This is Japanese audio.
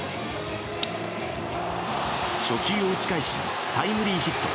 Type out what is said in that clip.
初球を打ち返しタイムリーヒット。